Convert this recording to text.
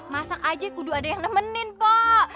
masak aja kudu ada yang nemenin po